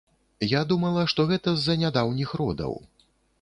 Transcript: Я думала, што гэта з-за нядаўніх родаў.